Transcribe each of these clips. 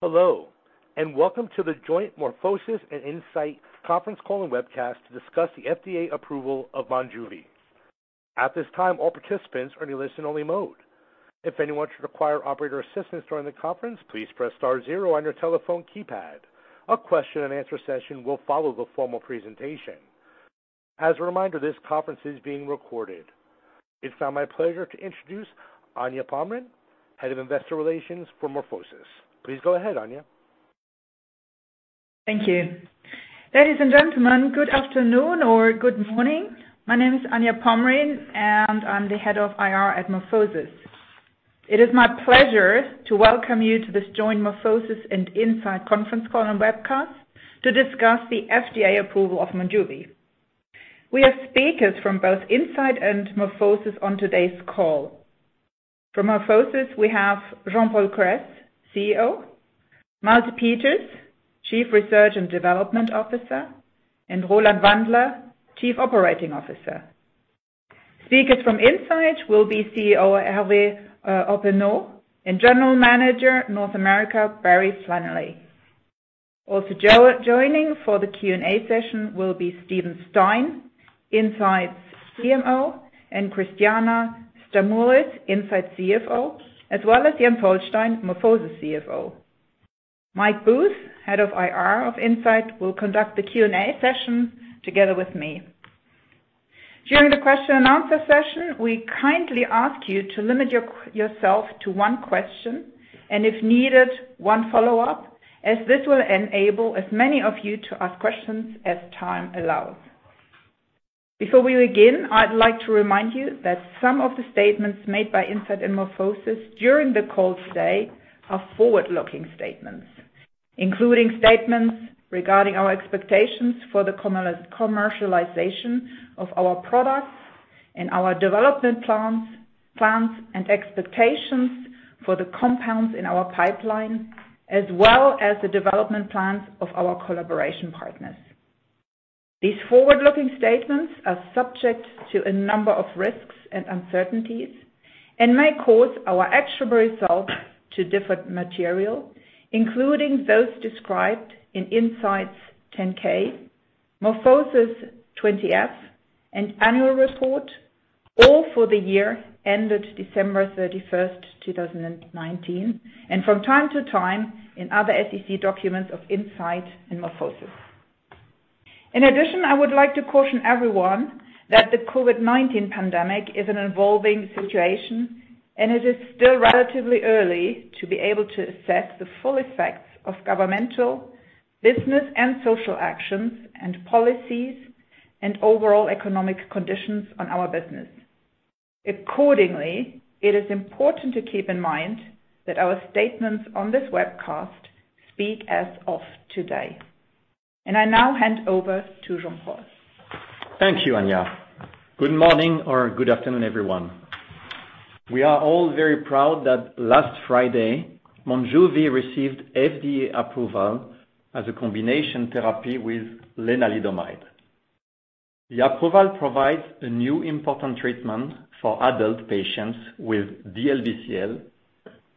Hello, and welcome to the joint MorphoSys and Incyte Conference Call and Webcast to discuss the FDA approval of MONJUVI. At this time, all participants are in listen-only mode. If anyone should require operator assistance during the conference, please press star zero on your telephone keypad. A question and answer session will follow the formal presentation. As a reminder, this conference is being recorded. It's now my pleasure to introduce Anja Pommrén, Head of Investor Relations for MorphoSys. Please go ahead, Anja. Thank you. Ladies and gentlemen, good afternoon or good morning. My name is Anja Pommrén, and I'm the Head of IR at MorphoSys. It is my pleasure to welcome you to this joint MorphoSys and Incyte Conference Call and Webcast to discuss the FDA approval of MONJUVI. We have speakers from both Incyte and MorphoSys on today's call. From MorphoSys, we have Jean-Paul Kress, CEO, Malte Peters, Chief Research and Development Officer, and Roland Wandler, Chief Operating Officer. Speakers from Incyte will be CEO Hervé Hoppenot and General Manager North America, Barry Flanagan. Also joining for the Q&A session will be Steven Stein, Incyte's CMO, and Christiana Stamoulis, Incyte's CFO, as well as Jens Holstein, MorphoSys' CFO. Michael Booth, Head of IR of Incyte, will conduct the Q&A session together with me. During the question and answer session, we kindly ask you to limit yourself to one question, and if needed, one follow-up, as this will enable as many of you to ask questions as time allows. Before we begin, I'd like to remind you that some of the statements made by Incyte and MorphoSys during the call today are forward-looking statements, including statements regarding our expectations for the commercialization of our products and our development plans and expectations for the compounds in our pipeline, as well as the development plans of our collaboration partners. These forward-looking statements are subject to a number of risks and uncertainties and may cause our actual results to differ materially, including those described in Incyte's 10-K, MorphoSys' 20-F and annual report, all for the year ended December 31st, 2019, and from time to time in other SEC documents of Incyte and MorphoSys. In addition, I would like to caution everyone that the COVID-19 pandemic is an evolving situation, and it is still relatively early to be able to assess the full effects of governmental, business, and social actions and policies and overall economic conditions on our business. Accordingly, it is important to keep in mind that our statements on this webcast speak as of today. I now hand over to Jean-Paul. Thank you, Anja. Good morning or good afternoon, everyone. We are all very proud that last Friday, MONJUVI received FDA approval as a combination therapy with lenalidomide. The approval provides a new important treatment for adult patients with DLBCL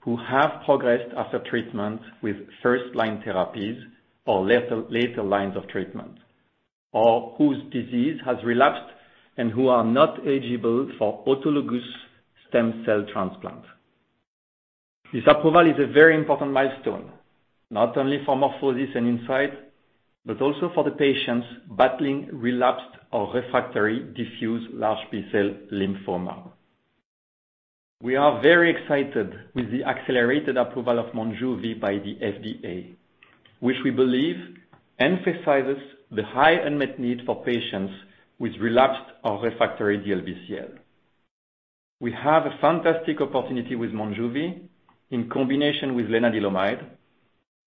who have progressed after treatment with first-line therapies or later lines of treatment, or whose disease has relapsed and who are not eligible for autologous stem cell transplant. This approval is a very important milestone, not only for MorphoSys and Incyte, but also for the patients battling relapsed or refractory diffuse large B-cell lymphoma. We are very excited with the accelerated approval of MONJUVI by the FDA, which we believe emphasizes the high unmet need for patients with relapsed or refractory DLBCL. We have a fantastic opportunity with MONJUVI in combination with lenalidomide,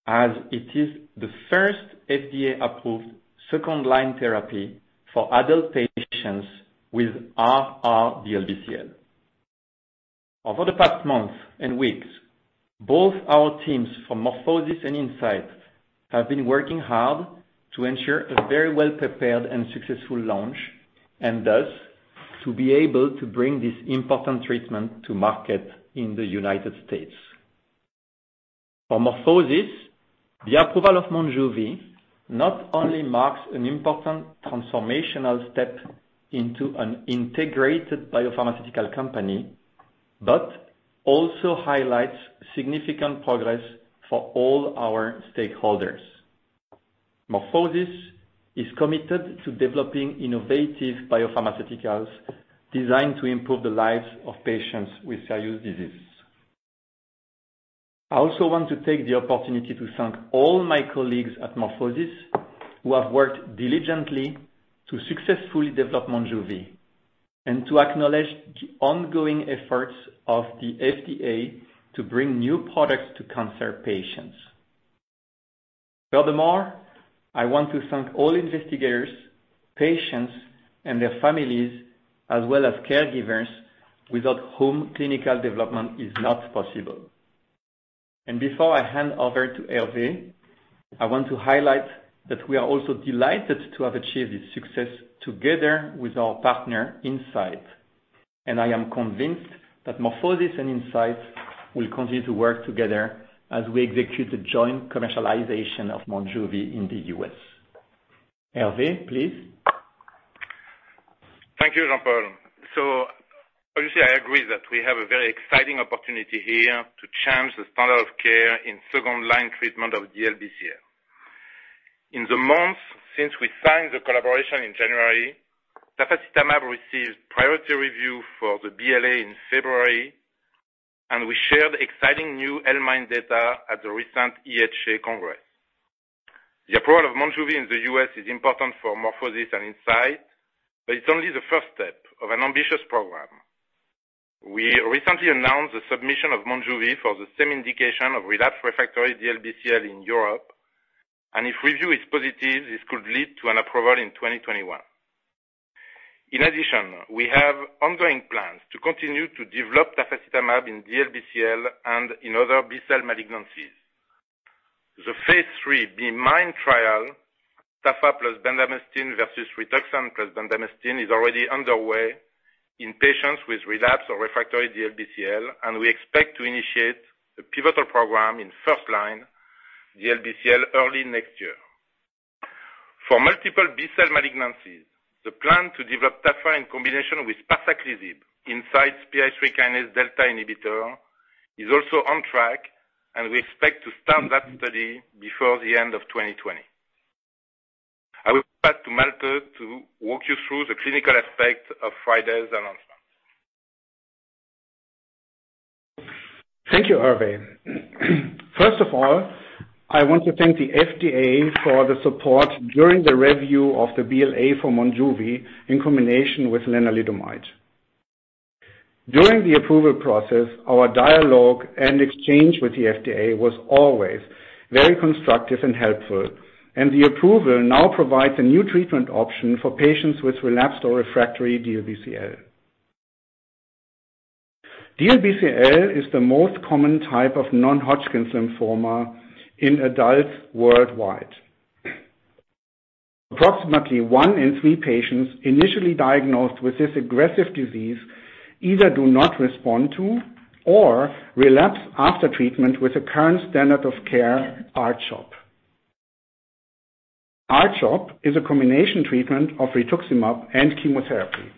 as it is the first FDA-approved second-line therapy for adult patients with RR-DLBCL. Over the past month and weeks, both our teams from MorphoSys and Incyte have been working hard to ensure a very well-prepared and successful launch, and thus, to be able to bring this important treatment to market in the U.S. For MorphoSys, the approval of MONJUVI not only marks an important transformational step into an integrated biopharmaceutical company, but also highlights significant progress for all our stakeholders. MorphoSys is committed to developing innovative biopharmaceuticals designed to improve the lives of patients with serious diseases. I also want to take the opportunity to thank all my colleagues at MorphoSys who have worked diligently to successfully develop MONJUVI and to acknowledge the ongoing efforts of the FDA to bring new products to cancer patients. I want to thank all investigators, patients, and their families, as well as caregivers, without whom clinical development is not possible. Before I hand over to Hervé, I want to highlight that we are also delighted to have achieved this success together with our partner, Incyte. I am convinced that MorphoSys and Incyte will continue to work together as we execute the joint commercialization of MONJUVI in the U.S. Hervé, please. Thank you, Jean-Paul. Obviously, I agree that we have a very exciting opportunity here to change the standard of care in second-line treatment of DLBCL. In the months since we signed the collaboration in January, tafasitamab received priority review for the BLA in February, and we shared exciting new ELMieNE data at the recent EHA Congress. The approval of MONJUVI in the U.S. is important for MorphoSys and Incyte, but it's only the first step of an ambitious program. We recently announced the submission of MONJUVI for the same indication of relapsed refractory DLBCL in Europe, and if review is positive, this could lead to an approval in 2021. In addition, we have ongoing plans to continue to develop tafasitamab in DLBCL and in other B-cell malignancies. The phase III BEAMIND trial, tafa plus bendamustine versus rituximab plus bendamustine, is already underway in patients with relapsed or refractory DLBCL, and we expect to initiate a pivotal program in first-line DLBCL early next year. For multiple B-cell malignancies, the plan to develop tafa in combination with parsaclisib, Incyte's PI3Kδ inhibitor, is also on track, and we expect to start that study before the end of 2020. I will pass to Malte to walk you through the clinical aspect of Friday's announcement. Thank you, Hervé. First of all, I want to thank the FDA for the support during the review of the BLA for MONJUVI in combination with lenalidomide. During the approval process, our dialogue and exchange with the FDA was always very constructive and helpful. The approval now provides a new treatment option for patients with relapsed or refractory DLBCL. DLBCL is the most common type of non-Hodgkin lymphoma in adults worldwide. Approximately one in three patients initially diagnosed with this aggressive disease either do not respond to or relapse after treatment with the current standard of care, R-CHOP. R-CHOP is a combination treatment of rituximab and chemotherapy.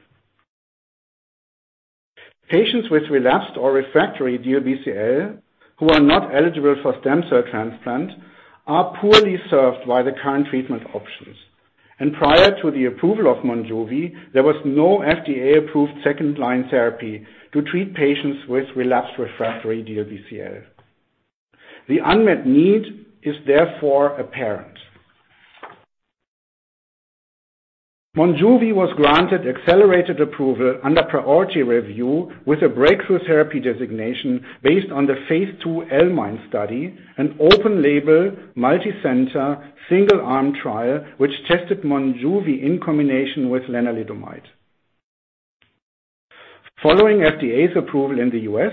Patients with relapsed or refractory DLBCL who are not eligible for stem cell transplant are poorly served by the current treatment options. Prior to the approval of MONJUVI, there was no FDA-approved second-line therapy to treat patients with relapsed refractory DLBCL. The unmet need is therefore apparent. MONJUVI was granted accelerated approval under priority review with a Breakthrough Therapy designation based on the phase II L-MIND study, an open-label, multicenter, single-arm trial, which tested MONJUVI in combination with lenalidomide. Following FDA's approval in the U.S.,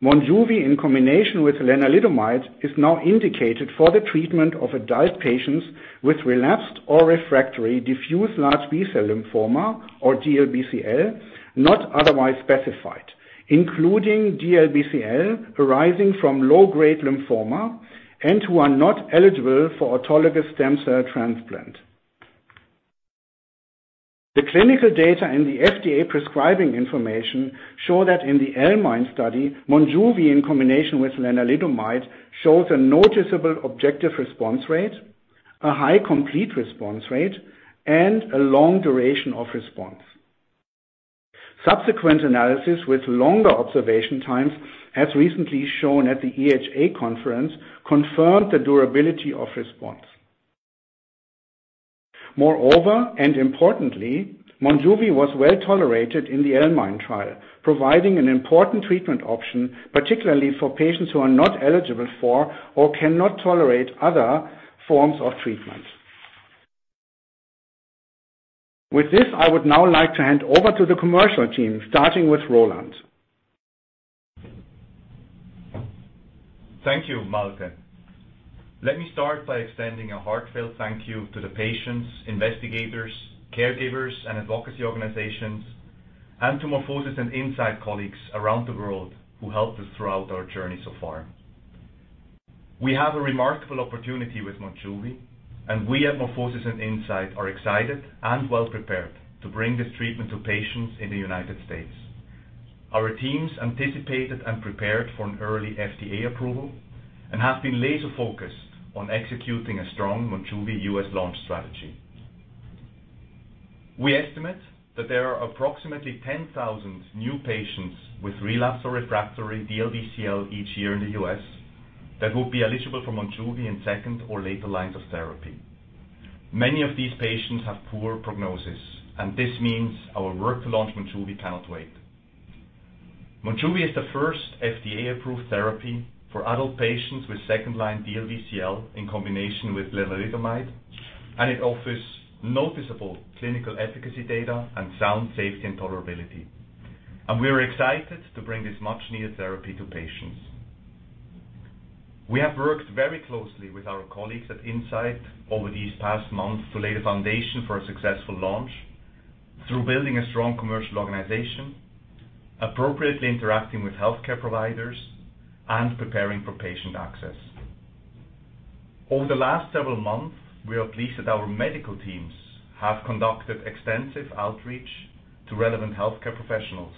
MONJUVI in combination with lenalidomide is now indicated for the treatment of adult patients with relapsed or refractory diffuse large B-cell lymphoma, or DLBCL, not otherwise specified, including DLBCL arising from low-grade lymphoma and who are not eligible for autologous stem cell transplant. The clinical data in the FDA prescribing information show that in the L-MIND study, MONJUVI in combination with lenalidomide shows a noticeable objective response rate, a high complete response rate, and a long duration of response. Subsequent analysis with longer observation times, as recently shown at the EHA conference, confirmed the durability of response. Moreover, importantly, MONJUVI was well-tolerated in the ELMieNE trial, providing an important treatment option, particularly for patients who are not eligible for or cannot tolerate other forms of treatment. With this, I would now like to hand over to the commercial team, starting with Roland. Thank you, Malte. Let me start by extending a heartfelt thank you to the patients, investigators, caregivers, and advocacy organizations, and to MorphoSys and Incyte colleagues around the world who helped us throughout our journey so far. We have a remarkable opportunity with MONJUVI, and we at MorphoSys and Incyte are excited and well prepared to bring this treatment to patients in the United States. Our teams anticipated and prepared for an early FDA approval and have been laser-focused on executing a strong MONJUVI U.S. launch strategy. We estimate that there are approximately 10,000 new patients with relapse or refractory DLBCL each year in the U.S. that will be eligible for MONJUVI in second or later lines of therapy. Many of these patients have poor prognosis, and this means our work to launch MONJUVI cannot wait. MONJUVI is the first FDA-approved therapy for adult patients with second-line DLBCL in combination with lenalidomide. It offers noticeable clinical efficacy data and sound safety and tolerability. We are excited to bring this much-needed therapy to patients. We have worked very closely with our colleagues at Incyte over these past months to lay the foundation for a successful launch through building a strong commercial organization, appropriately interacting with healthcare providers, and preparing for patient access. Over the last several months, we are pleased that our medical teams have conducted extensive outreach to relevant healthcare professionals.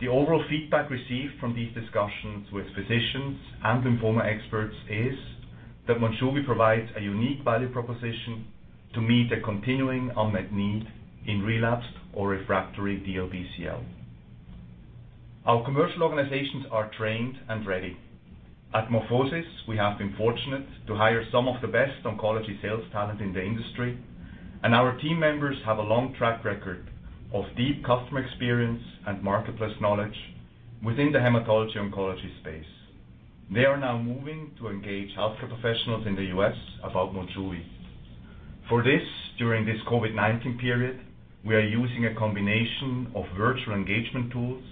The overall feedback received from these discussions with physicians and lymphoma experts is that MONJUVI provides a unique value proposition to meet a continuing unmet need in relapsed or refractory DLBCL. Our commercial organizations are trained and ready. At MorphoSys, we have been fortunate to hire some of the best oncology sales talent in the industry, and our team members have a long track record of deep customer experience and marketplace knowledge within the hematology oncology space. They are now moving to engage healthcare professionals in the U.S. about MONJUVI. For this, during this COVID-19 period, we are using a combination of virtual engagement tools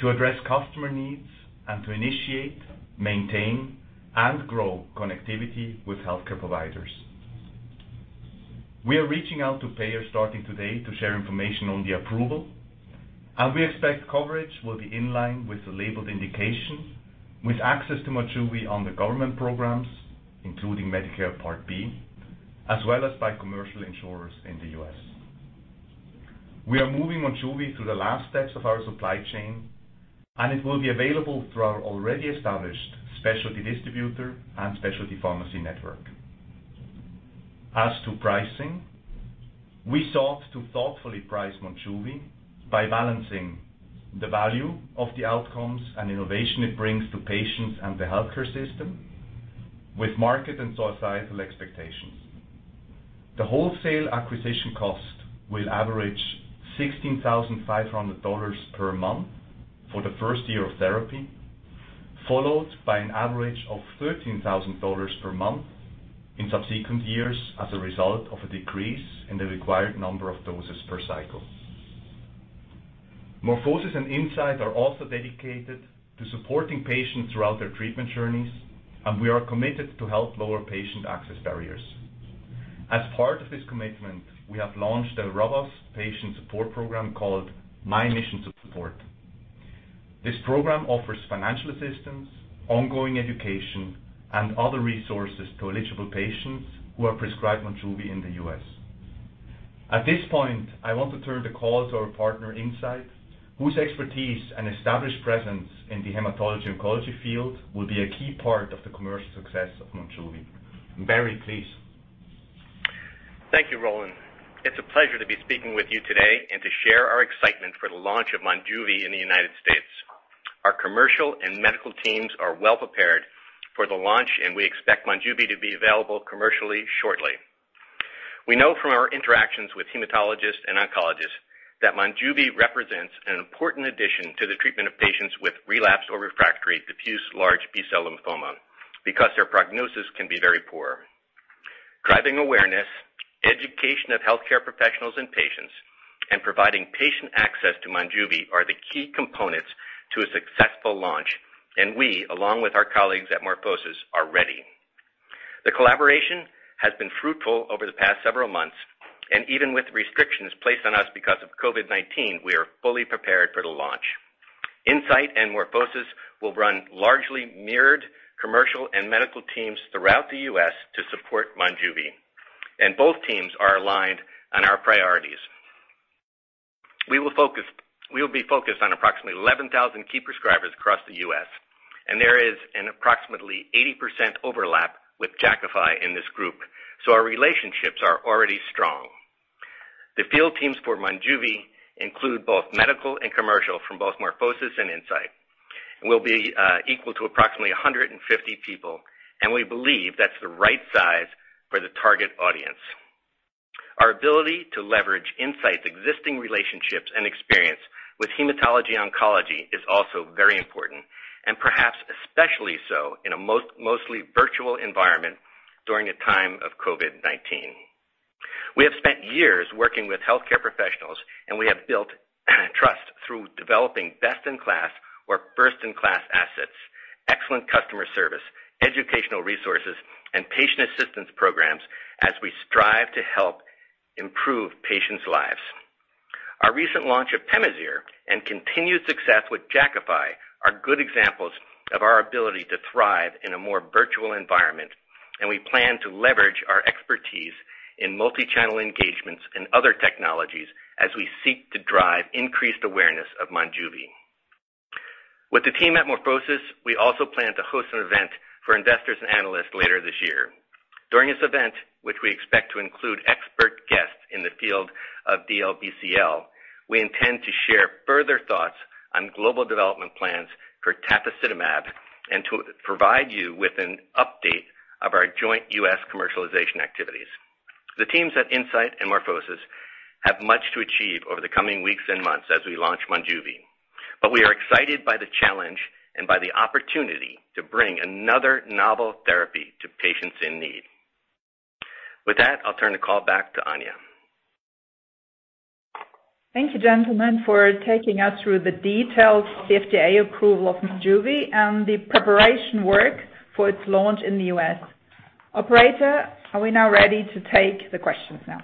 to address customer needs and to initiate, maintain, and grow connectivity with healthcare providers. We are reaching out to payers starting today to share information on the approval, and we expect coverage will be in line with the labeled indication with access to MONJUVI on the government programs, including Medicare Part B, as well as by commercial insurers in the U.S. We are moving MONJUVI through the last steps of our supply chain, and it will be available through our already established specialty distributor and specialty pharmacy network. As to pricing, we sought to thoughtfully price MONJUVI by balancing the value of the outcomes and innovation it brings to patients and the healthcare system with market and societal expectations. The wholesale acquisition cost will average $16,500 per month for the first year of therapy, followed by an average of $13,000 per month in subsequent years as a result of a decrease in the required number of doses per cycle. MorphoSys and Incyte are also dedicated to supporting patients throughout their treatment journeys, and we are committed to help lower patient access barriers. As part of this commitment, we have launched a ROBUST patient support program called My MISSION Support. This program offers financial assistance, ongoing education, and other resources to eligible patients who are prescribed MONJUVI in the U.S. At this point, I want to turn the call to our partner, Incyte, whose expertise and established presence in the hematology oncology field will be a key part of the commercial success of MONJUVI. Barry, please. Thank you, Roland. It's a pleasure to be speaking with you today and to share our excitement for the launch of MONJUVI in the United States. Our commercial and medical teams are well-prepared for the launch, and we expect MONJUVI to be available commercially shortly. We know from our interactions with hematologists and oncologists that MONJUVI represents an important addition to the treatment of patients with relapsed or refractory diffuse large B-cell lymphoma because their prognosis can be very poor. Driving awareness, education of healthcare professionals and patients, and providing patient access to MONJUVI are the key components to a successful launch, and we, along with our colleagues at MorphoSys, are ready. The collaboration has been fruitful over the past several months, and even with restrictions placed on us because of COVID-19, we are fully prepared for the launch. Incyte and MorphoSys will run largely mirrored commercial and medical teams throughout the U.S. to support MONJUVI. Both teams are aligned on our priorities. We will be focused on approximately 11,000 key prescribers across the U.S. There is an approximately 80% overlap with JAKAFI in this group. Our relationships are already strong. The field teams for MONJUVI include both medical and commercial from both MorphoSys and Incyte. They will be equal to approximately 150 people. We believe that's the right size for the target audience. Our ability to leverage Incyte's existing relationships and experience with hematology oncology is also very important. Perhaps especially so in a mostly virtual environment during a time of COVID-19. We have spent years working with healthcare professionals, and we have built trust through developing best-in-class or first-in-class assets, excellent customer service, educational resources, and patient assistance programs as we strive to help improve patients' lives. Our recent launch of PEMAZYRE and continued success with JAKAFI are good examples of our ability to thrive in a more virtual environment, and we plan to leverage our expertise in multi-channel engagements and other technologies as we seek to drive increased awareness of MONJUVI. With the team at MorphoSys, we also plan to host an event for investors and analysts later this year. During this event, which we expect to include expert guests in the field of DLBCL, we intend to share further thoughts on global development plans for tafasitamab and to provide you with an update of our joint U.S. commercialization activities. The teams at Incyte and MorphoSys have much to achieve over the coming weeks and months as we launch MONJUVI, but we are excited by the challenge and by the opportunity to bring another novel therapy to patients in need. With that, I'll turn the call back to Anja. Thank you, gentlemen, for taking us through the details of the FDA approval of MONJUVI and the preparation work for its launch in the U.S. Operator, are we now ready to take the questions now?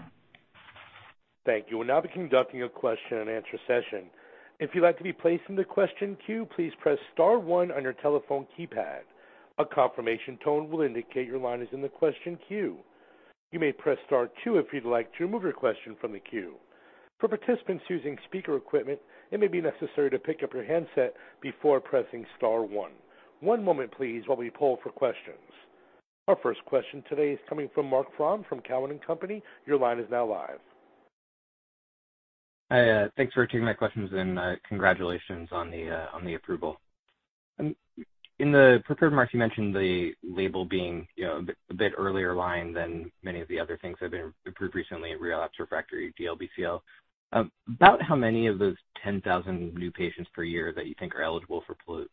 Thank you. We'll now be conducting a question and answer session. If you'd like to be placed into the question queue, please press star one on your telephone keypad. A confirmation tone will indicate your line is in the question queue. You may press star two if you'd like to remove your question from the queue. For participants using speaker equipment, it may be necessary to pick up your handset before pressing star one. One moment please, while we poll for questions. Our first question today is coming from Marc Frahm from Cowen and Company. Your line is now live. Hi, thanks for taking my questions and congratulations on the approval. In the prepared remarks, you mentioned the label being a bit earlier line than many of the other things that have been approved recently in RR-DLBCL. About how many of those 10,000 new patients per year that you think are eligible for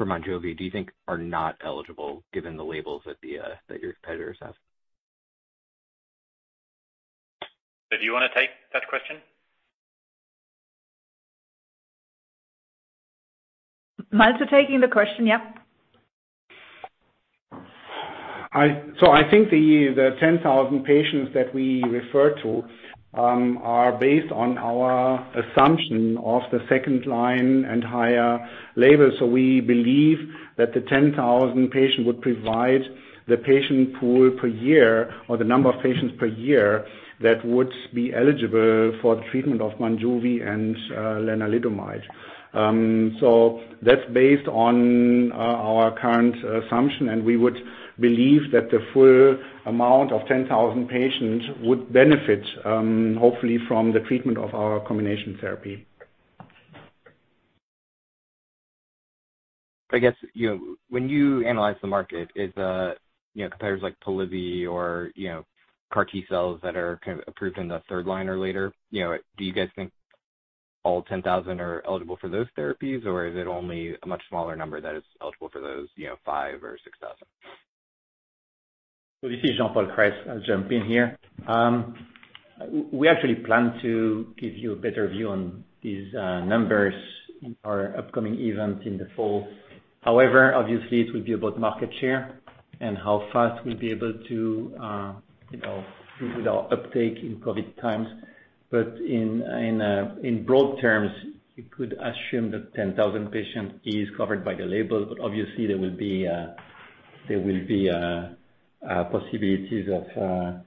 MONJUVI, do you think are not eligible given the labels that your competitors have? Do you want to take that question? Malte taking the question, yeah. I think the 10,000 patients that we refer to are based on our assumption of the second-line and higher label. We believe that the 10,000 patient would provide the patient pool per year or the number of patients per year that would be eligible for the treatment of MONJUVI and lenalidomide. That's based on our current assumption, and we would believe that the full amount of 10,000 patients would benefit, hopefully, from the treatment of our combination therapy. I guess, when you analyze the market, is competitors like Polivy or CAR T-cells that are kind of approved in the third line or later, do you guys think all 10,000 are eligible for those therapies, or is it only a much smaller number that is eligible for those, five or six thousand? This is Jean-Paul Kress, I'll jump in here. We actually plan to give you a better view on these numbers in our upcoming event in the fall. However, obviously it will be about market share and how fast we'll be able to do with our uptake in COVID times. In broad terms, you could assume that 10,000 patient is covered by the label, but obviously there will be possibilities of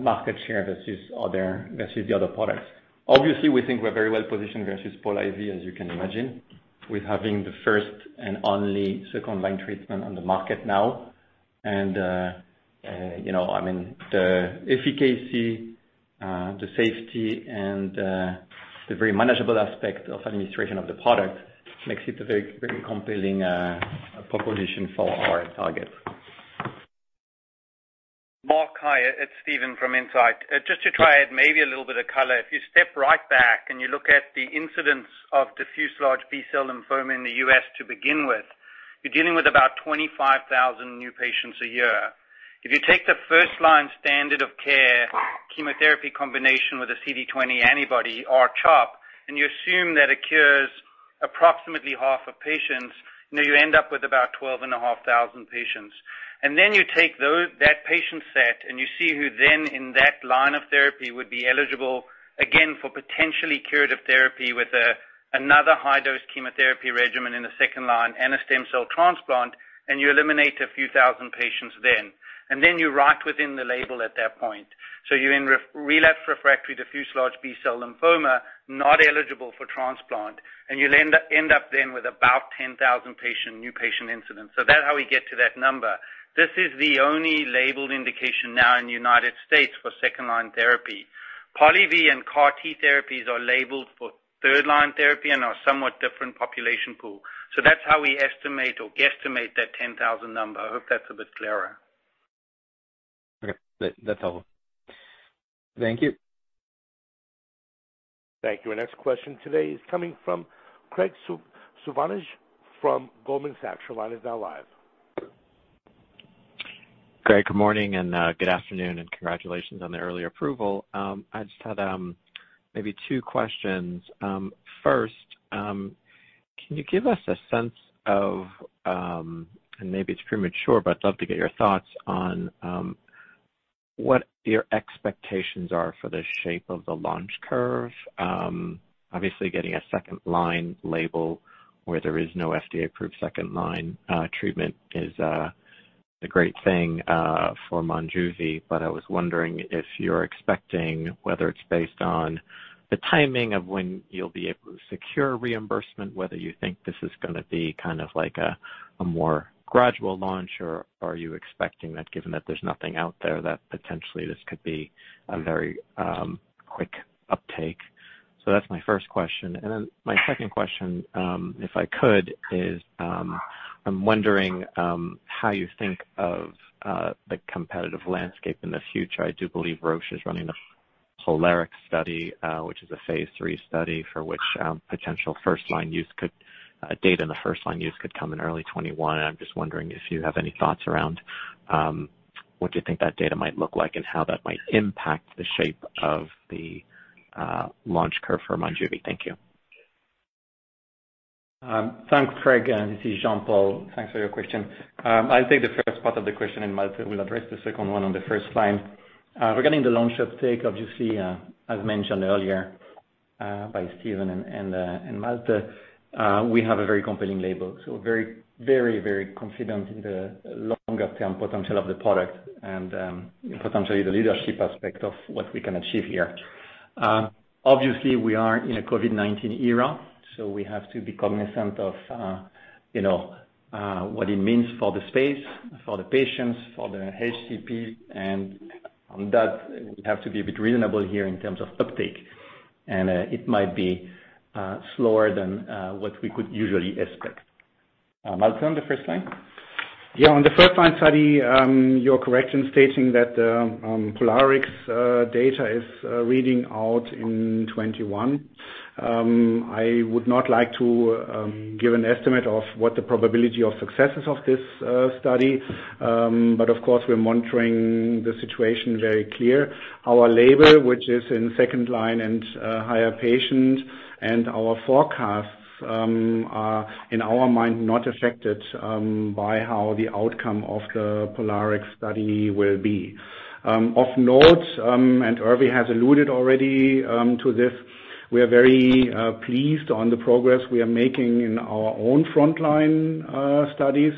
market share versus the other products. Obviously, we think we're very well positioned versus Polivy, as you can imagine, with having the first and only second-line treatment on the market now. The efficacy, the safety, and the very manageable aspect of administration of the product makes it a very compelling proposition for our target. Marc, hi, it's Steven from Incyte. Just to try add maybe a little bit of color. If you step right back and you look at the incidence of diffuse large B-cell lymphoma in the U.S. to begin with, you're dealing with about 25,000 new patients a year. If you take the first-line standard of care chemotherapy combination with a CD20 antibody or CHOP, and you assume that occurs approximately half of patients, you end up with about 12,500 patients. Then you take that patient set and you see who then in that line of therapy would be eligible again for potentially curative therapy with another high-dose chemotherapy regimen in the second line and a stem cell transplant, and you eliminate a few thousand patients then. Then you're right within the label at that point. You're in relapse/refractory diffuse large B-cell lymphoma, not eligible for transplant, and you'll end up then with about 10,000 patient, new patient incidents. That's how we get to that number. This is the only labeled indication now in the United States for second-line therapy. Polivy and CAR T-therapies are labeled for third-line therapy and are somewhat different population pool. That's how we estimate or guesstimate that 10,000 number. I hope that's a bit clearer. Okay. That's helpful. Thank you. Thank you. Our next question today is coming from Graig Suvannavejh from Goldman Sachs. Your line is now live. Craig, good morning and good afternoon. Congratulations on the early approval. I just had maybe two questions. First, can you give us a sense of, and maybe it's premature, but I'd love to get your thoughts on what your expectations are for the shape of the launch curve. Obviously getting a second-line label where there is no FDA-approved second-line treatment is a great thing for MONJUVI, but I was wondering if you're expecting, whether it's based on the timing of when you'll be able to secure reimbursement, whether you think this is going to be kind of like a more gradual launch, or are you expecting that given that there's nothing out there that potentially this could be a very quick uptake. That's my first question. My second question, if I could is, I'm wondering how you think of the competitive landscape in the future. I do believe Roche is running the POLARIX study, which is a phase III study for which potential first-line use could come in early 2021. I'm just wondering if you have any thoughts around what do you think that data might look like, and how that might impact the shape of the launch curve for MONJUVI? Thank you. Thanks, Graig. This is Jean-Paul. Thanks for your question. I'll take the first part of the question. Malte will address the second one on the first line. Regarding the long shape take, obviously, as mentioned earlier by Steven and Malte, we have a very compelling label. Very confident in the longer-term potential of the product and, potentially, the leadership aspect of what we can achieve here. Obviously, we are in a COVID-19 era. We have to be cognizant of what it means for the space, for the patients, for the HCP, and on that, we have to be a bit reasonable here in terms of uptake. It might be slower than what we could usually expect. Malte, on the first line? Yeah, on the first-line study, your correction stating that POLARIX data is reading out in 2021. I would not like to give an estimate of what the probability of successes of this study. Of course, we're monitoring the situation very clear. Our label, which is in second-line and higher patient, and our forecasts are, in our mind, not affected by how the outcome of the POLARIX study will be. Of note, and Hervé has alluded already to this, we are very pleased on the progress we are making in our own frontline studies.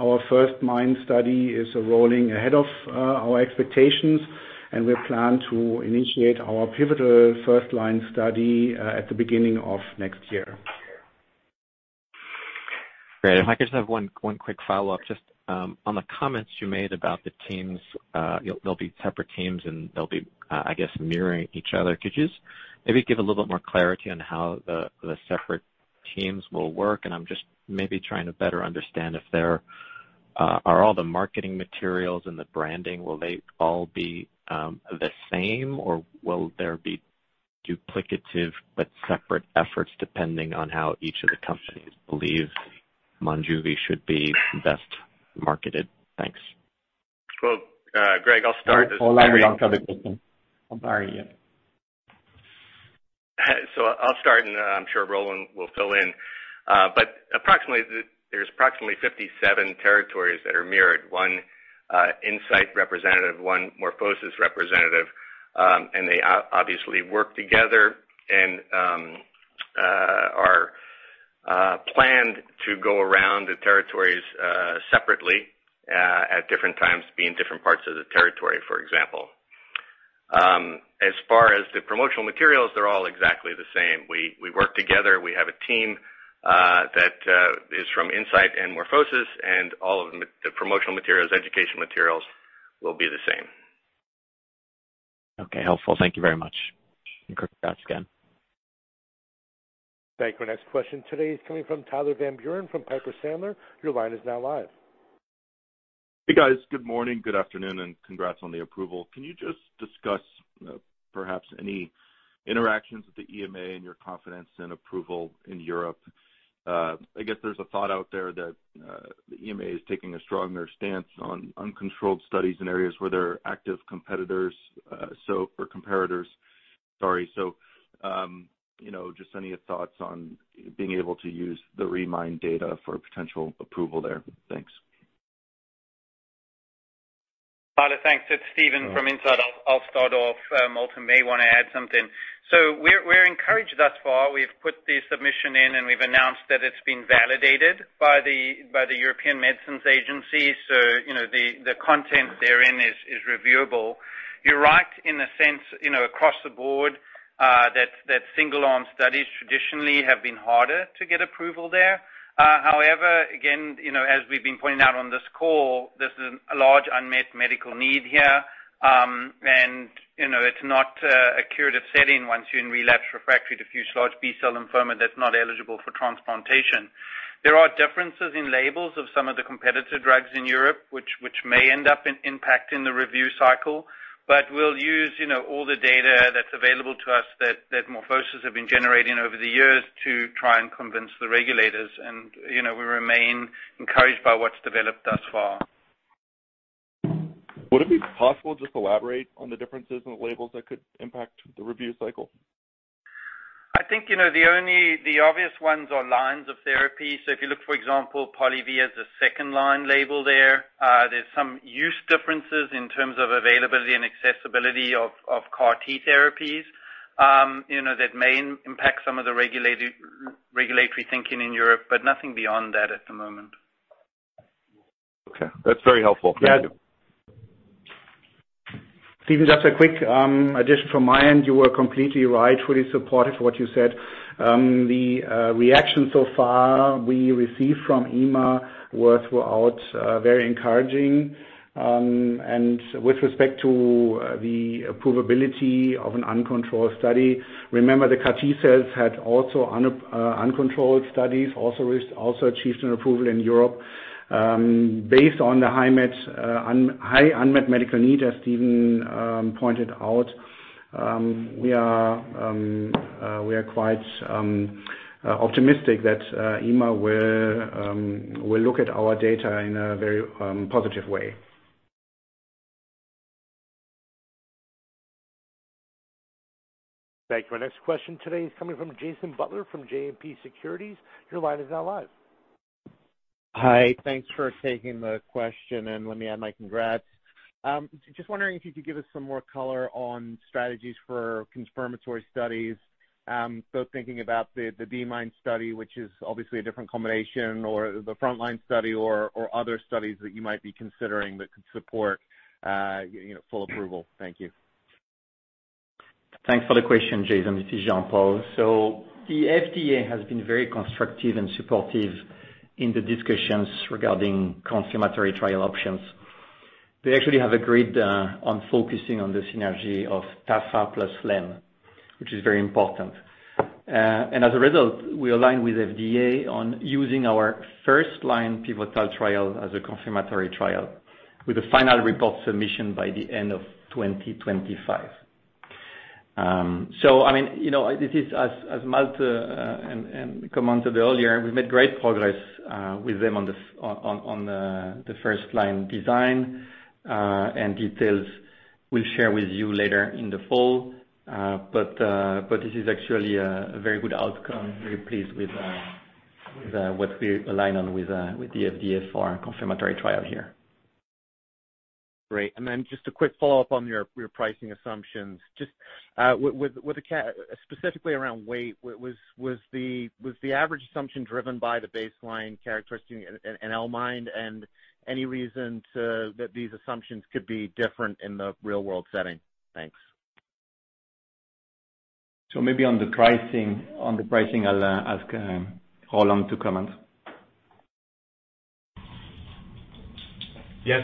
Our first-line study is rolling ahead of our expectations, and we plan to initiate our pivotal first-line study at the beginning of next year. Great. If I could just have one quick follow-up just on the comments you made about the teams. They'll be separate teams, they'll be, I guess, mirroring each other. Could you maybe give a little bit more clarity on how the separate teams will work? I'm just maybe trying to better understand if there Are all the marketing materials and the branding, will they all be the same, or will there be duplicative but separate efforts depending on how each of the companies believes MONJUVI should be best marketed? Thanks. Well, Graig, I'll start. Hold on. I'll cover this one. Barry, yeah. I'll start, and I'm sure Roland will fill in. There's approximately 57 territories that are mirrored, one Incyte representative, one MorphoSys representative, and they obviously work together and are planned to go around the territories separately at different times, be in different parts of the territory, for example. As far as the promotional materials, they're all exactly the same. We work together. We have a team that is from Incyte and MorphoSys, all of the promotional materials, education materials will be the same. Okay. Helpful. Thank you very much. Congrats again. Thank you. Our next question today is coming from Tyler Van Buren from Piper Sandler. Your line is now live. Hey, guys. Good morning, good afternoon, and congrats on the approval. Can you just discuss perhaps any interactions with the EMA and your confidence in approval in Europe? I guess there's a thought out there that the EMA is taking a stronger stance on uncontrolled studies in areas where there are active competitors, or comparators, sorry. Just any thoughts on being able to use the L-MIND data for potential approval there. Thanks. Tyler, thanks. It's Steven from Incyte. I'll start off. Malte may want to add something. We're encouraged thus far. We've put the submission in, and we've announced that it's been validated by the European Medicines Agency. The content therein is reviewable. You're right in the sense, across the board, that single-arm studies traditionally have been harder to get approval there. Again, as we've been pointing out on this call, this is a large unmet medical need here. It's not a curative setting once you're in relapsed/refractory diffuse large B-cell lymphoma that's not eligible for transplantation. There are differences in labels of some of the competitor drugs in Europe, which may end up impacting the review cycle. We'll use all the data that's available to us that MorphoSys have been generating over the years to try and convince the regulators, and we remain encouraged by what's developed thus far. Would it be possible just to elaborate on the differences in the labels that could impact the review cycle? I think the obvious ones are lines of therapy. If you look, for example, Polivy as a second-line label there. There's some use differences in terms of availability and accessibility of CAR T therapies that may impact some of the regulatory thinking in Europe, but nothing beyond that at the moment. Okay. That's very helpful. Thank you. Steven, just a quick addition from my end. You were completely right, fully supportive of what you said. The reaction so far we received from EMA was throughout very encouraging. With respect to the approvability of an uncontrolled study, remember, the CAR T cells had also uncontrolled studies, also achieved an approval in Europe. Based on the high unmet medical need, as Steven pointed out, we are quite optimistic that EMA will look at our data in a very positive way. Thank you. Our next question today is coming from Jason Butler from JMP Securities. Your line is now live. Hi. Thanks for taking the question, and let me add my congrats. Just wondering if you could give us some more color on strategies for confirmatory studies. Thinking about the BMIND study, which is obviously a different combination, or the frontMIND study or other studies that you might be considering that could support full approval. Thank you. Thanks for the question, Jason. This is Jean-Paul. The FDA has been very constructive and supportive in the discussions regarding confirmatory trial options. They actually have agreed on focusing on the synergy of tafas plus lenalidomide, which is very important. As a result, we align with FDA on using our first-line pivotal trial as a confirmatory trial with a final report submission by the end of 2025. As Malte commented earlier, we've made great progress with them on the first-line design, and details we'll share with you later in the fall. This is actually a very good outcome. Very pleased with what we align on with the FDA for our confirmatory trial here. Great. Just a quick follow-up on your pricing assumptions, specifically around weight. Was the average assumption driven by the baseline characteristic in L-MIND and any reason that these assumptions could be different in the real-world setting? Thanks. Maybe on the pricing, I'll ask Roland to comment. Yes.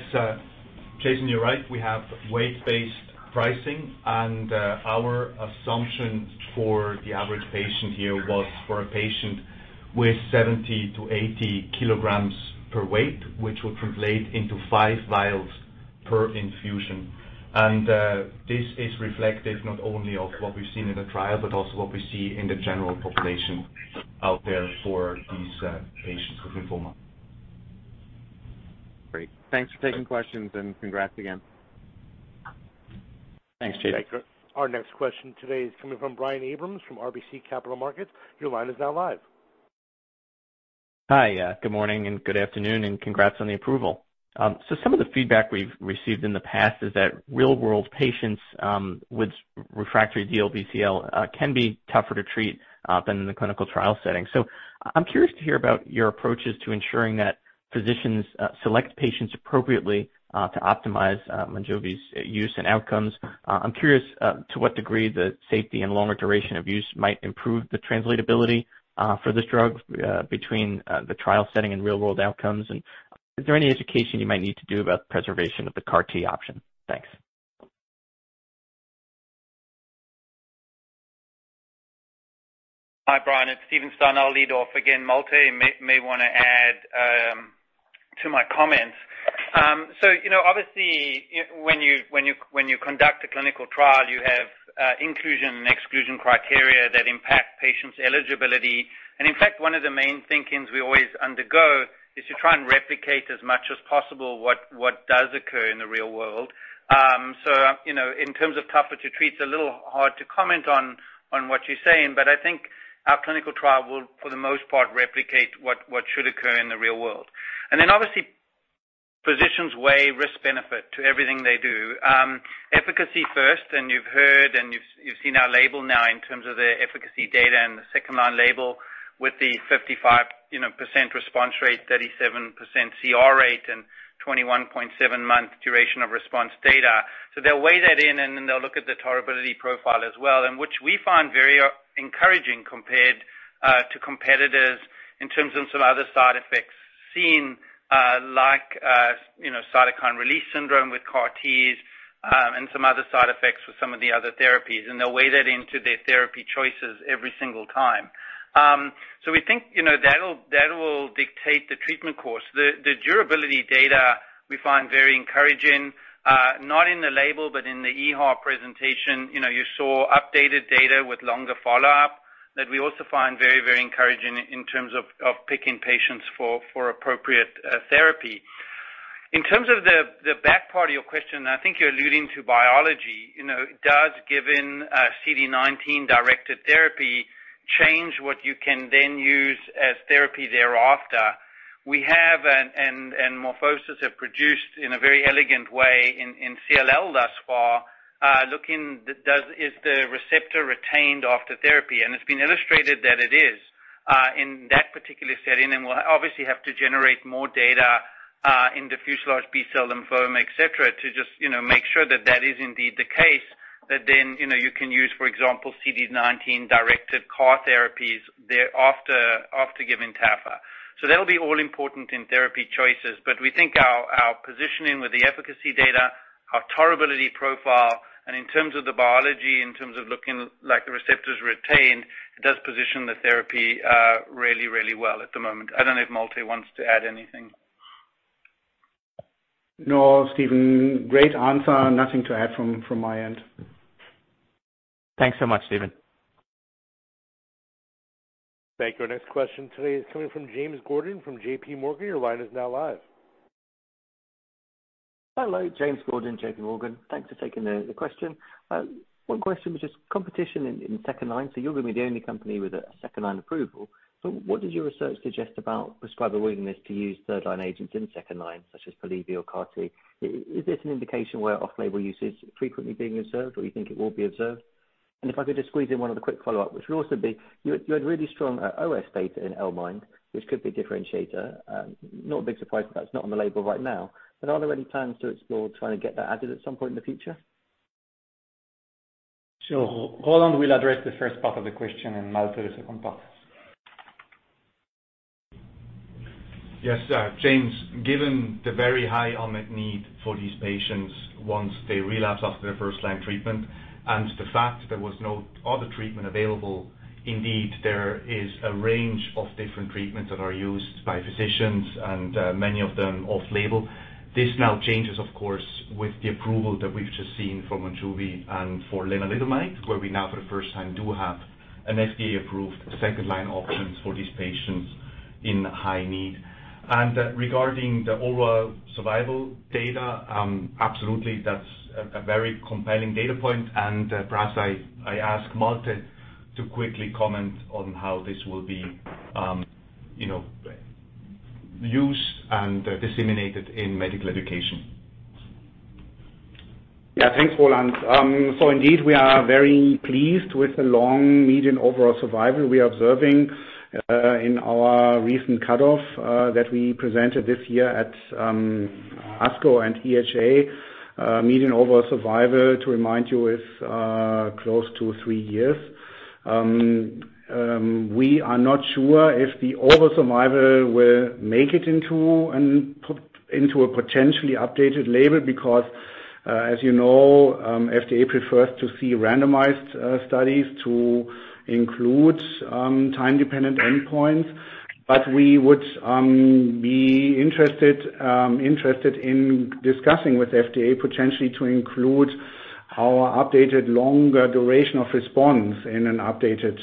Jason, you're right. We have weight-based pricing, and our assumption for the average patient here was for a patient with 70-80 kilograms per weight, which would translate into five vials per infusion. This is reflective not only of what we've seen in the trial but also what we see in the general population out there for these patients with lymphoma. Great. Thanks for taking questions, congrats again. Thanks, Jason. Our next question today is coming from Brian Abrahams from RBC Capital Markets. Your line is now live. Hi. Good morning and good afternoon, and congrats on the approval. Some of the feedback we've received in the past is that real-world patients with refractory DLBCL can be tougher to treat than in the clinical trial setting. I'm curious to hear about your approaches to ensuring that physicians select patients appropriately to optimize MONJUVI's use and outcomes. I'm curious to what degree the safety and longer duration of use might improve the translatability for this drug between the trial setting and real-world outcomes. Is there any education you might need to do about preservation of the CAR T option? Thanks. Hi, Brian, it's Steven Stein. I'll lead off again. Malte may want to add to my comments. Obviously, when you conduct a clinical trial, you have inclusion and exclusion criteria that impact patients' eligibility. In fact, one of the main thinking we always undergo is to try and replicate as much as possible what does occur in the real world. In terms of tougher to treat, it's a little hard to comment on what you're saying, but I think our clinical trial will, for the most part, replicate what should occur in the real world. Obviously, physicians weigh risk-benefit to everything they do. Efficacy first, and you've heard and you've seen our label now in terms of the efficacy data and the second-line label with the 55% response rate, 37% CR rate and 21.7-month duration of response data. They'll weigh that in, they'll look at the tolerability profile as well, which we find very encouraging compared to competitors in terms of some other side effects seen like cytokine release syndrome with CAR Ts and some other side effects with some of the other therapies. They'll weigh that into their therapy choices every single time. We think that'll dictate the treatment course. The durability data we find very encouraging, not in the label but in the EHA presentation. You saw updated data with longer follow-up that we also find very encouraging in terms of picking patients for appropriate therapy. In terms of the back part of your question, I think you're alluding to biology. Does giving CD19-directed therapy change what you can then use as therapy thereafter? We have, and MorphoSys have produced in a very elegant way in CLL thus far, looking at is the receptor retained after therapy, and it's been illustrated that it is in that particular setting, and we'll obviously have to generate more data in diffuse large B-cell lymphoma, et cetera, to just make sure that that is indeed the case. That then you can use, for example, CD19-directed CAR T therapies after giving tafas. That'll be all important in therapy choices. We think our positioning with the efficacy data, our tolerability profile, and in terms of the biology, in terms of looking like the receptor's retained, it does position the therapy really well at the moment. I don't know if Malte wants to add anything. No, Steven. Great answer. Nothing to add from my end. Thanks so much, Steven. Thank you. Our next question today is coming from James Gordon from JP Morgan. Your line is now live. Hello, James Gordon, JPMorgan. Thanks for taking the question. One question was just competition in second line. You're going to be the only company with a second-line approval. What does your research suggest about prescriber willingness to use third-line agents in second line, such as Polivy or CAR T? Is this an indication where off-label use is frequently being observed, or you think it will be observed? If I could just squeeze in one other quick follow-up, which would also be, you had really strong OS data in L-MIND, which could be a differentiator. Not a big surprise that that's not on the label right now, are there any plans to explore trying to get that added at some point in the future? Roland will address the first part of the question, and Malte the second part. Yes, James, given the very high unmet need for these patients once they relapse after their first-line treatment, and the fact there was no other treatment available, indeed there is a range of different treatments that are used by physicians and many of them off-label. This now changes, of course, with the approval that we've just seen for MONJUVI and for lenalidomide, where we now for the first time do have an FDA-approved second-line options for these patients in high need. Regarding the overall survival data, absolutely, that's a very compelling data point. Perhaps I ask Malte to quickly comment on how this will be used and disseminated in medical education. Yeah. Thanks, Roland. Indeed, we are very pleased with the long median overall survival we are observing in our recent cutoff that we presented this year at ASCO and EHA. Median overall survival, to remind you, is close to three years. We are not sure if the overall survival will make it into a potentially updated label because, as you know, FDA prefers to see randomized studies to include time-dependent endpoints. We would be interested in discussing with FDA potentially to include our updated longer duration of response in an updated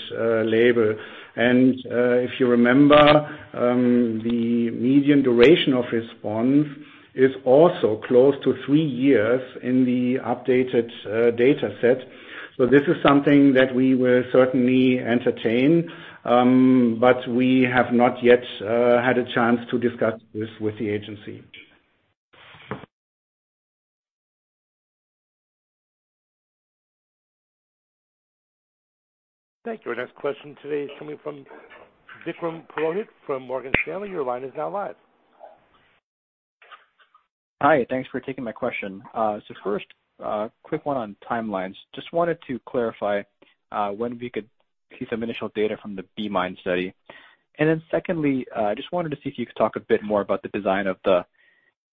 label. If you remember, the median duration of response is also close to three years in the updated data set. This is something that we will certainly entertain, but we have not yet had a chance to discuss this with the agency. Thank you. Our next question today is coming from Vikram Purohit from Morgan Stanley. Your line is now live. Hi. Thanks for taking my question. First, quick one on timelines. Just wanted to clarify when we could see some initial data from the frontMIND study. Secondly, just wanted to see if you could talk a bit more about the design of the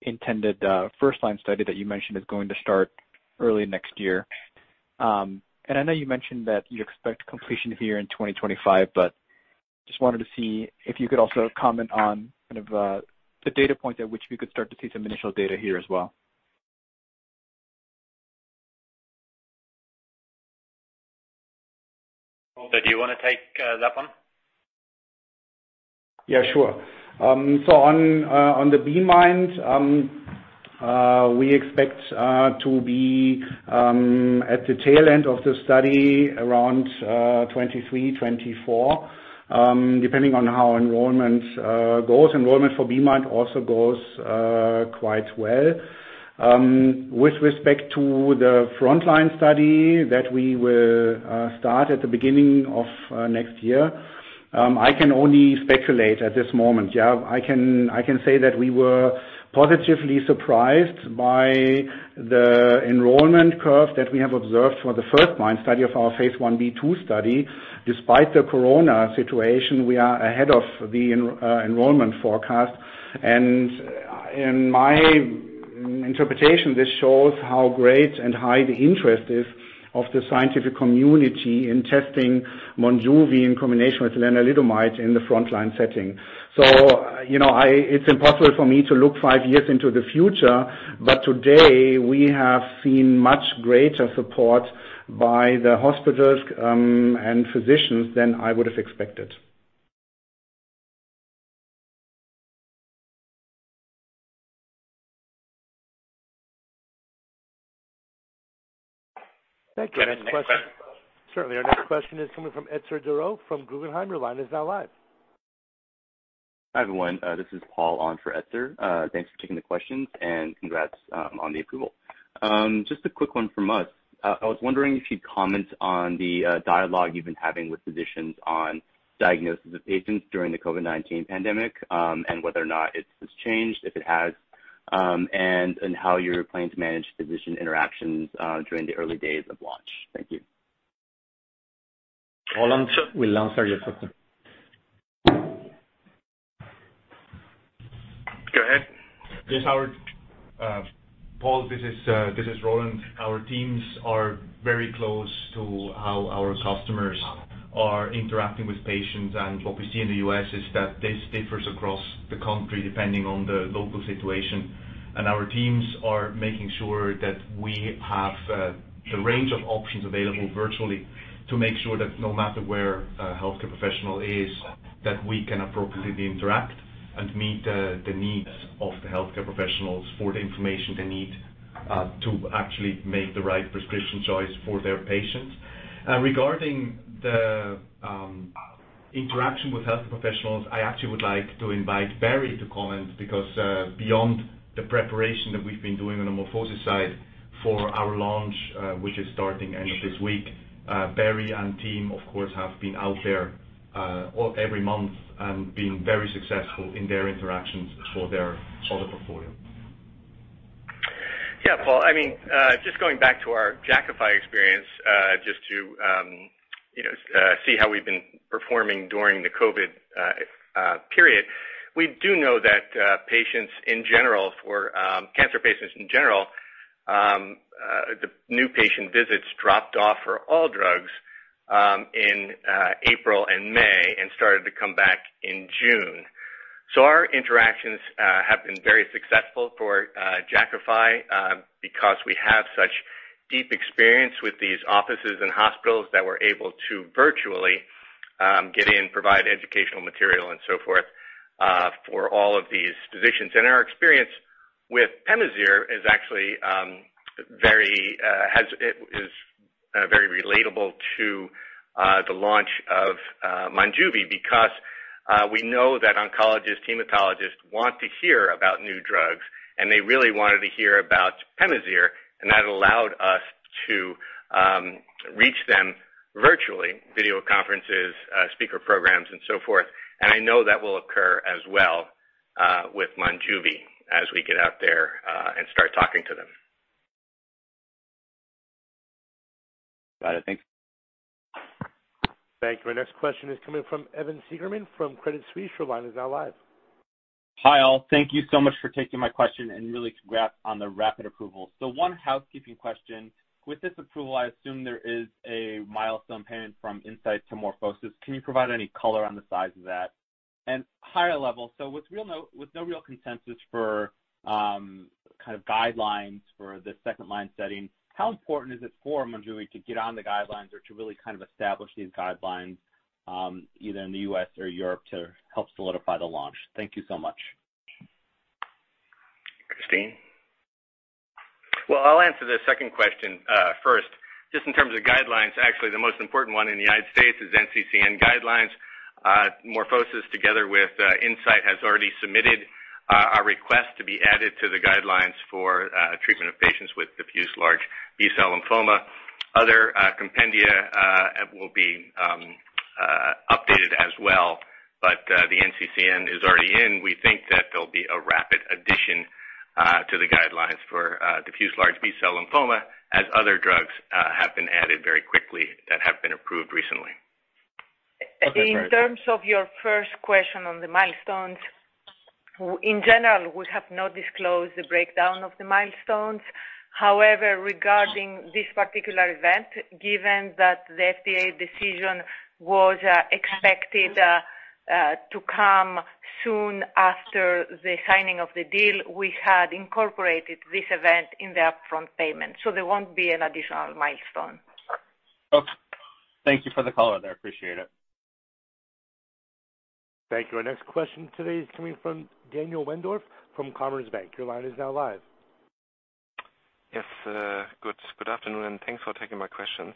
intended first-line study that you mentioned is going to start early next year. I know you mentioned that you expect completion here in 2025, just wanted to see if you could also comment on kind of the data point at which we could start to see some initial data here as well. Malte, do you want to take that one? Yeah, sure. On the BEAMIND, we expect to be at the tail end of the study around 2023, 2024, depending on how enrollment goes. Enrollment for BEAMIND also goes quite well. With respect to the frontline study that we will start at the beginning of next year, I can only speculate at this moment. Yeah, I can say that we were positively surprised by the enrollment curve that we have observed for the firstMIND study of our phase I-B/II study. Despite the corona situation, we are ahead of the enrollment forecast. In my interpretation, this shows how great and high the interest is of the scientific community in testing MONJUVI in combination with lenalidomide in the frontline setting. It's impossible for me to look five years into the future, but today we have seen much greater support by the hospitals and physicians than I would have expected. Thank you. Our next question- Go ahead. Next question. Certainly. Our next question is coming from Etzer Darout from Barclays. Your line is now live. Hi, everyone. This is Paul on for Etzer. Thanks for taking the questions and congrats on the approval. Just a quick one from us. I was wondering if you'd comment on the dialogue you've been having with physicians on diagnosis of patients during the COVID-19 pandemic, and whether or not it has changed, if it has, and how you're planning to manage physician interactions during the early days of launch. Thank you. Roland will answer your question. Go ahead. Yes, Roland. Paul, this is Roland. Our teams are very close to how our customers are interacting with patients. What we see in the U.S. is that this differs across the country depending on the local situation. Our teams are making sure that we have the range of options available virtually to make sure that no matter where a healthcare professional is, that we can appropriately interact and meet the needs of the healthcare professionals for the information they need to actually make the right prescription choice for their patients. Regarding the interaction with healthcare professionals, I actually would like to invite Barry to comment, because beyond the preparation that we've been doing on the MorphoSys side for our launch, which is starting end of this week, Barry and team of course, have been out there every month and been very successful in their interactions for their other portfolio. Yeah, Paul, just going back to our JAKAFI experience, just to see how we've been performing during the COVID period. We do know that cancer patients in general, the new patient visits dropped off for all drugs in April and May and started to come back in June. Our interactions have been very successful for JAKAFI, because we have such deep experience with these offices and hospitals that we're able to virtually get in, provide educational material and so forth, for all of these physicians. Our experience with PEMAZYRE is very relatable to the launch of MONJUVI because we know that oncologists, hematologists want to hear about new drugs, and they really wanted to hear about PEMAZYRE, and that allowed us to reach them virtually, video conferences, speaker programs and so forth. I know that will occur as well with MONJUVI as we get out there and start talking to them. Got it. Thanks. Thank you. Our next question is coming from Evan Seigerman from Credit Suisse. Your line is now live. Hi, all. Thank you so much for taking my question and really congrats on the rapid approval. One housekeeping question. With this approval, I assume there is a milestone payment from Incyte to MorphoSys. Can you provide any color on the size of that? Higher level, with no real consensus for kind of guidelines for the second line setting, how important is it for MONJUVI to get on the guidelines or to really kind of establish these guidelines, either in the U.S. or Europe to help solidify the launch? Thank you so much. Christiana? Well, I'll answer the second question first. Just in terms of guidelines, actually, the most important one in the U.S. is NCCN guidelines. MorphoSys, together with Incyte, has already submitted a request to be added to the guidelines for treatment of patients with diffuse large B-cell lymphoma. Other compendia will be updated as well. The NCCN is already in. We think that there'll be a rapid addition to the guidelines for diffuse large B-cell lymphoma as other drugs have been added very quickly that have been approved recently. Okay. In terms of your first question on the milestones, in general, we have not disclosed the breakdown of the milestones. Regarding this particular event, given that the FDA decision was expected to come soon after the signing of the deal, we had incorporated this event in the upfront payment, so there won't be an additional milestone. Okay. Thank you for the color there. Appreciate it. Thank you. Our next question today is coming from Daniel Wendorff from Commerzbank. Your line is now live. Yes. Good afternoon, thanks for taking my questions.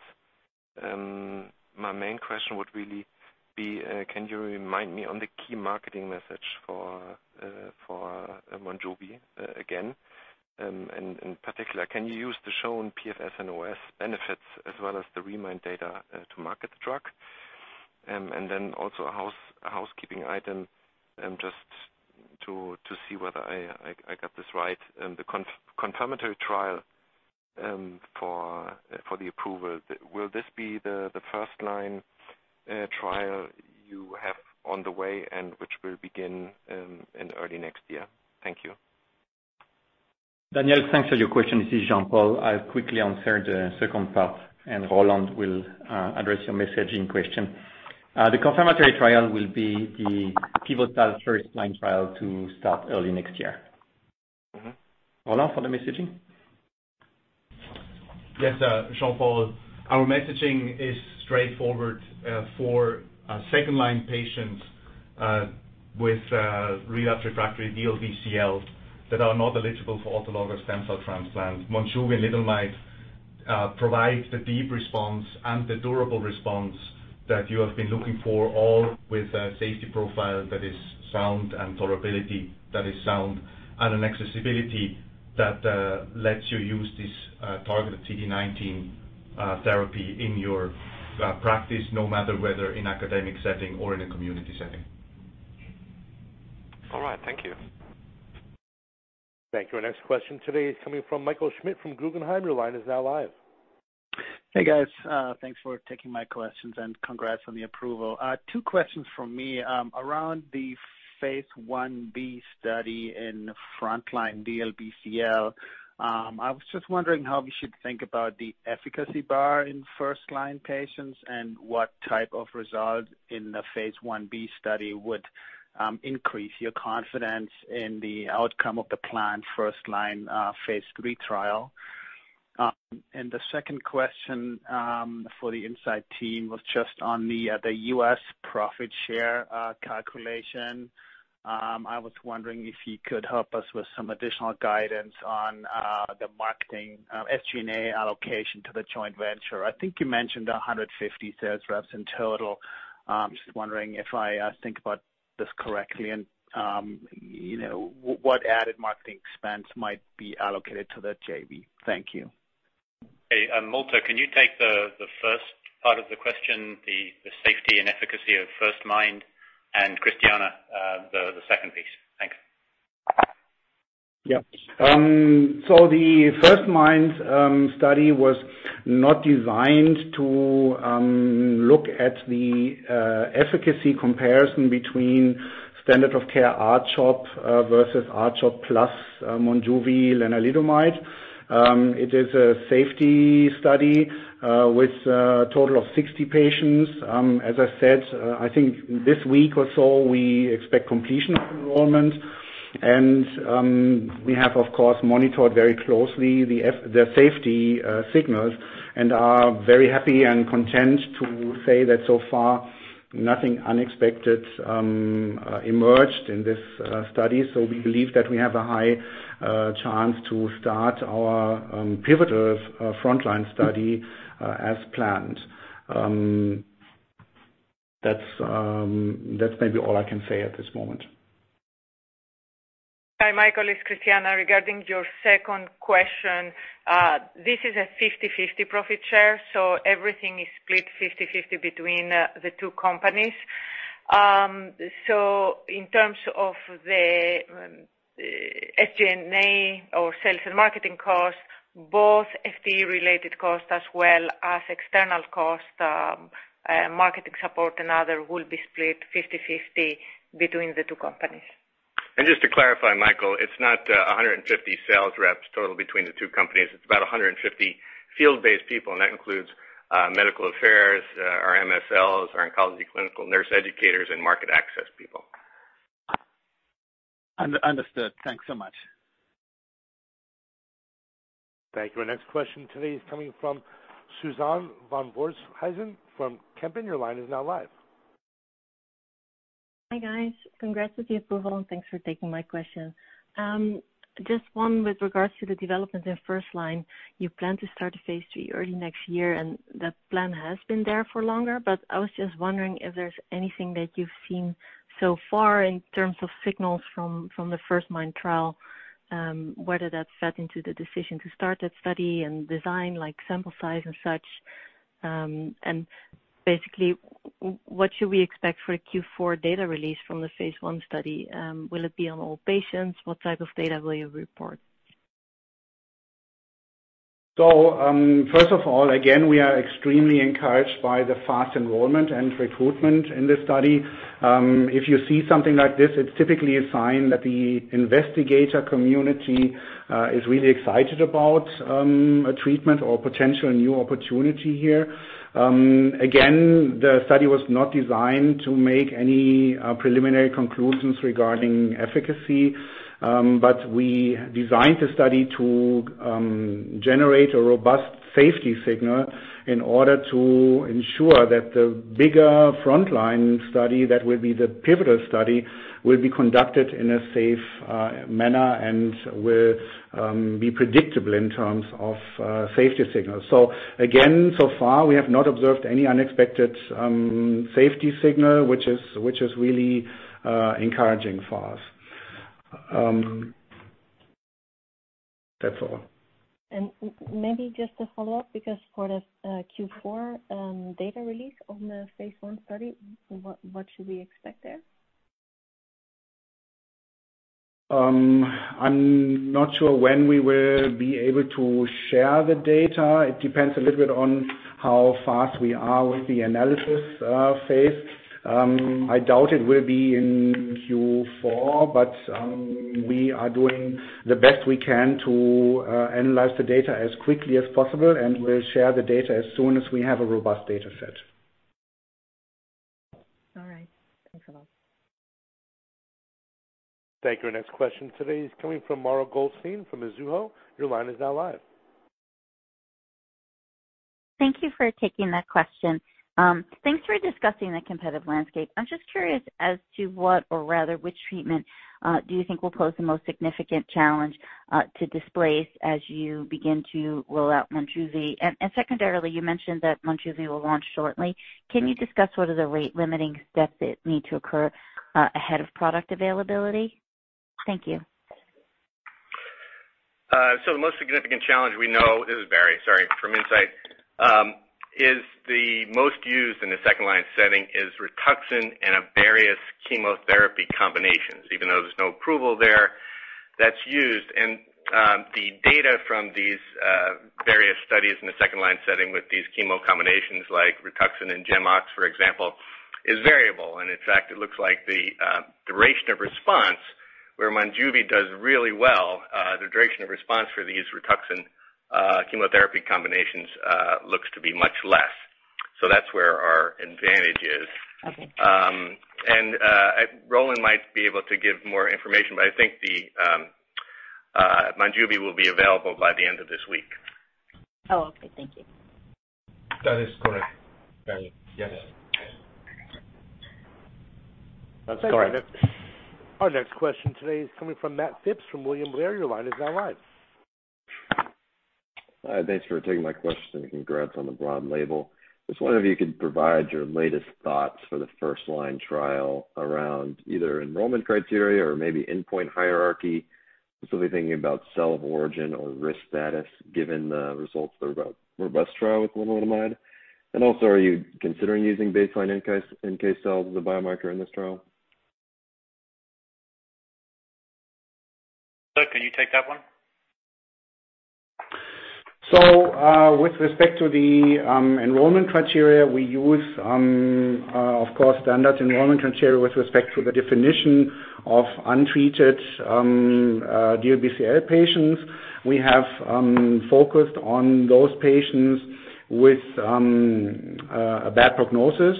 My main question would really be, can you remind me on the key marketing message for MONJUVI again? In particular, can you use the shown PFS and OS benefits as well as the BEAMIND data to market the drug? Also a housekeeping item, just to see whether I got this right. The confirmatory trial for the approval, will this be the first-line trial you have on the way which will begin in early next year? Thank you. Daniel, thanks for your question. This is Jean-Paul. I'll quickly answer the second part, and Roland will address your messaging question. The confirmatory trial will be the pivotal first-line trial to start early next year. Roland, for the messaging. Yes, Jean-Paul. Our messaging is straightforward. For second-line patients with relapse refractory DLBCL that are not eligible for autologous stem cell transplant, MONJUVI label might provide the deep response and the durable response that you have been looking for, all with a safety profile that is sound and tolerability that is sound, and an accessibility that lets you use this targeted CD19 therapy in your practice, no matter whether in academic setting or in a community setting. All right. Thank you. Thank you. Our next question today is coming from Michael Schmidt from Guggenheim. Your line is now live. Hey guys, thanks for taking my questions and congrats on the approval. Two questions from me. Around the phase I-B study in frontline DLBCL, I was just wondering how we should think about the efficacy bar in first-line patients and what type of result in the phase I-B study would increase your confidence in the outcome of the planned first-line phase III trial. The second question for the Incyte team was just on the U.S. profit share calculation. I was wondering if you could help us with some additional guidance on the marketing SG&A allocation to the joint venture. I think you mentioned 150 sales reps in total. Just wondering if I think about this correctly and what added marketing expense might be allocated to that JV. Thank you. Hey, Malte, can you take the first part of the question, the safety and efficacy of frontMIND, and Christiana, the second piece. Thanks. Yep. The frontMIND study was not designed to look at the efficacy comparison between standard of care R-CHOP versus R-CHOP plus MONJUVI lenalidomide. It is a safety study with a total of 60 patients. As I said, I think this week or so, we expect completion of enrollment and we have, of course, monitored very closely the safety signals and are very happy and content to say that so far, nothing unexpected emerged in this study. We believe that we have a high chance to start our pivotal frontline study as planned. That's maybe all I can say at this moment. Hi, Michael, it's Christiana. Regarding your second question, this is a 50/50 profit share, so everything is split 50/50 between the two companies. In terms of the SG&A or sales and marketing costs, both FTE-related costs as well as external costs, marketing support and other, will be split 50/50 between the two companies. Just to clarify, Michael, it's not 150 sales reps total between the two companies. It's about 150 field-based people, and that includes medical affairs, our MSLs, our oncology clinical nurse educators, and market access people. Understood. Thanks so much. Thank you. Our next question today is coming from Suzanne van Voorthuizen from Kempen. Your line is now live. Hi, guys. Congrats with the approval and thanks for taking my question. Just one with regards to the development in first line. You plan to start the Phase III early next year. That plan has been there for longer. I was just wondering if there's anything that you've seen so far in terms of signals from the frontMIND trial, whether that fed into the decision to start that study and design, like sample size and such. Basically, what should we expect for a Q4 data release from the phase I study? Will it be on all patients? What type of data will you report? First of all, again, we are extremely encouraged by the fast enrollment and recruitment in this study. If you see something like this, it's typically a sign that the investigator community is really excited about a treatment or potential new opportunity here. Again, the study was not designed to make any preliminary conclusions regarding efficacy. We designed the study to generate a robust safety signal in order to ensure that the bigger frontline study, that will be the pivotal study, will be conducted in a safe manner and will be predictable in terms of safety signals. Again, so far, we have not observed any unexpected safety signal, which is really encouraging for us. That's all. Maybe just to follow up, because for the Q4 data release on the phase I study, what should we expect there? I'm not sure when we will be able to share the data. It depends a little bit on how fast we are with the analysis phase. I doubt it will be in Q4. We are doing the best we can to analyze the data as quickly as possible. We'll share the data as soon as we have a robust data set. All right. Thanks a lot. Thank you. Our next question today is coming from Mara Goldstein from Mizuho. Your line is now live. Thank you for taking that question. Thanks for discussing the competitive landscape. I'm just curious as to what or rather which treatment do you think will pose the most significant challenge to displace as you begin to roll out MONJUVI? Secondarily, you mentioned that MONJUVI will launch shortly. Can you discuss what are the rate-limiting steps that need to occur ahead of product availability? Thank you. The most significant challenge we know, this is Barry, sorry, from Incyte, is the most used in the second-line setting is Rituxan and various chemotherapy combinations, even though there's no approval there. That's used. The data from these various studies in the second-line setting with these chemo combinations, like Rituxan and GemOx, for example, is variable. In fact, it looks like the duration of response where MONJUVI does really well, the duration of response for these Rituxan chemotherapy combinations looks to be much less. That's where our advantage is. Okay. Roland might be able to give more information, but I think the MONJUVI will be available by the end of this week. Oh, okay. Thank you. That is correct, Barry. Yes. That's correct. Our next question today is coming from Matt Phipps from William Blair. Your line is now live. Hi, thanks for taking my question. Congrats on the broad label. I was wondering if you could provide your latest thoughts for the first-line trial around either enrollment criteria or maybe endpoint hierarchy, specifically thinking about cell of origin or risk status given the results of the robust trial with lenalidomide. Also, are you considering using baseline NK cells as a biomarker in this trial? Roland, can you take that one? With respect to the enrollment criteria, we use, of course, standard enrollment criteria with respect to the definition of untreated DLBCL patients. We have focused on those patients with a bad prognosis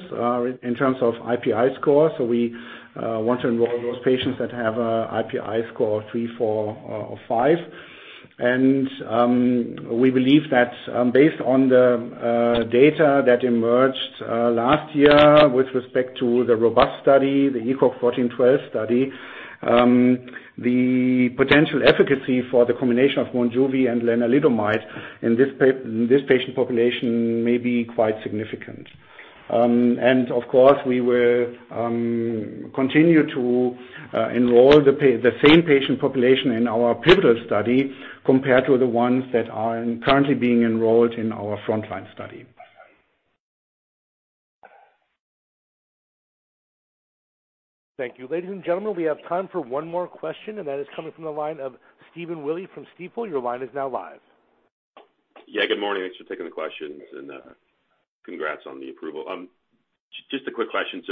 in terms of IPI score. We want to enroll those patients that have an IPI score of 3, 4, or 5. We believe that based on the data that emerged last year with respect to the robust study, the ECOG 1412 study, the potential efficacy for the combination of MONJUVI and lenalidomide in this patient population may be quite significant. Of course, we will continue to enroll the same patient population in our pivotal study compared to the ones that are currently being enrolled in our frontline study. Thank you. Ladies and gentlemen, we have time for one more question, and that is coming from the line of Stephen Willey from Stifel. Your line is now live. Good morning. Thanks for taking the questions, and congrats on the approval. Just a quick question.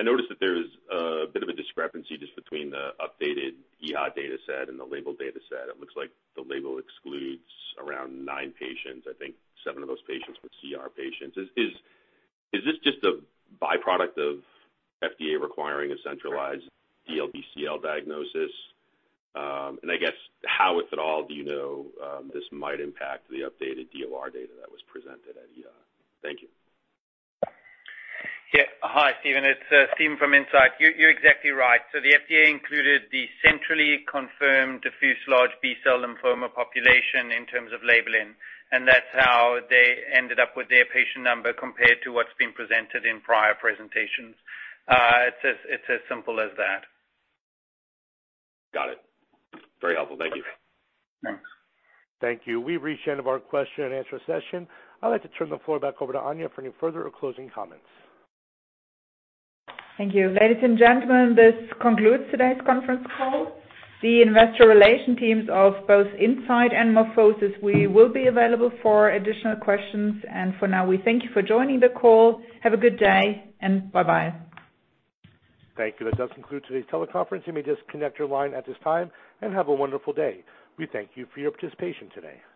I noticed that there's a bit of a discrepancy just between the updated EHA data set and the label data set. It looks like the label excludes around nine patients, I think seven of those patients were CR patients. Is this just a byproduct of FDA requiring a centralized DLBCL diagnosis? I guess how, if at all, do you know this might impact the updated DOR data that was presented at EHA? Thank you. Yeah. Hi, Stephen. It's Steven from Incyte. You're exactly right. The FDA included the centrally confirmed diffuse large B-cell lymphoma population in terms of labeling, and that's how they ended up with their patient number compared to what's been presented in prior presentations. It's as simple as that. Got it. Very helpful. Thank you. Okay. Thanks. Thank you. We've reached the end of our question-and-answer session. I'd like to turn the floor back over to Anja for any further or closing comments. Thank you. Ladies and gentlemen, this concludes today's conference call. The Investor Relation teams of both Incyte and MorphoSys, we will be available for additional questions. For now, we thank you for joining the call. Have a good day, and bye-bye. Thank you. That does conclude today's teleconference. You may disconnect your line at this time, and have a wonderful day. We thank you for your participation today.